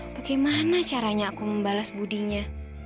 bagaimana caranya aku membalas budinya